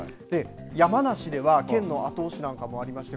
山梨では県の後押しなんかもありまして